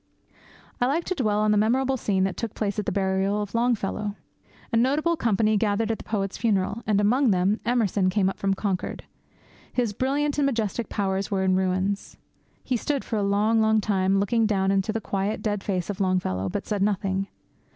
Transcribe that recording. I like to dwell on that memorable scene that took place at the burial of Longfellow. A notable company gathered at the poet's funeral; and, among them, Emerson came up from Concord. His brilliant and majestic powers were in ruins. He stood for a long, long time looking down into the quiet, dead face of Longfellow, but said nothing.